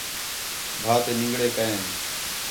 بَھا تے نِنگڑے کئے ہین